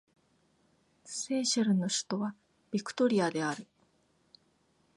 セーシェルの首都はビクトリアである